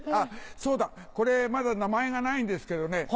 そうだこれまだ名前がないんですけどね